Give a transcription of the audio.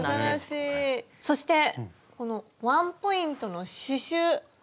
そしてこのワンポイントの刺しゅう！